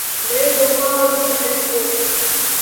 Bill Roper was the head coach.